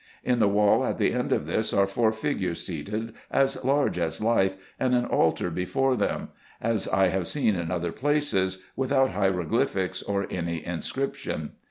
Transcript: In the wall at the end of this are four figures seated, as large as life, and an altar before them, as I have seen in other places, without hieroglyphics or any inscription.